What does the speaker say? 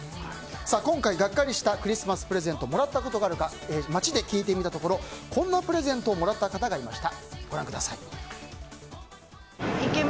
今回、ガッカリしたクリスマスプレゼントをもらったことがあるか街で聞いてみたところこんなプレゼントをもらった方がいました。